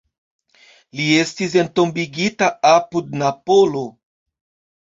Li estis entombigita apud Napolo.